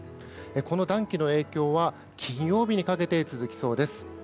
この暖気の影響は金曜日にかけて続きそうです。